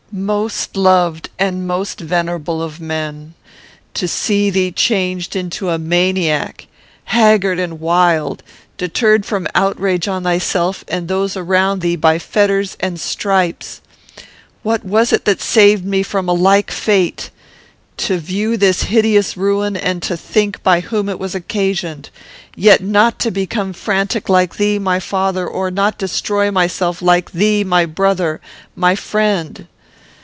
Most loved and most venerable of men! To see thee changed into a maniac! Haggard and wild! Deterred from outrage on thyself and those around thee by fetters and stripes! What was it that saved me from a like fate? To view this hideous ruin, and to think by whom it was occasioned! Yet not to become frantic like thee, my father; or not destroy myself like thee, my brother! My friend!